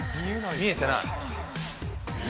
見えてなーい！